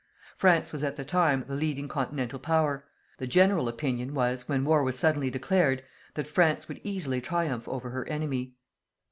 France was at the time the leading continental Power. The general opinion was, when war was suddenly declared, that France would easily triumph over her enemy.